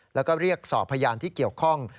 แล้วก็เรียกสอบพยานที่เกี่ยวข้อง